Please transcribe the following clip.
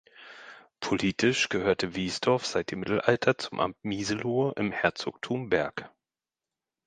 Politisch gehörte Wiesdorf seit dem Mittelalter zum Amt Miselohe im Herzogtum Berg.